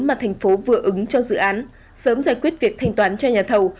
mà thành phố vừa ứng cho dự án sớm giải quyết việc thanh toán cho nhà thầu